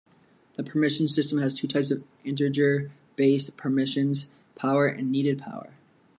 The permissions system has two types of integer-based permissions: Power and Needed Power.